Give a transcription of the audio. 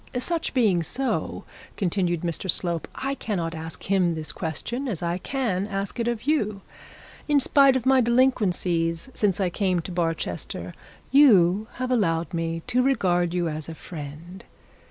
'Such being so,' continued Mr Slope, 'I cannot ask him this question as I can ask it of you. In spite of my delinquencies since I came to Barchester you have allowed me to regard you as a friend.'